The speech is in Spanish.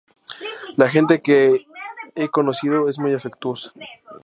La gente que he conocido es muy afectuosa".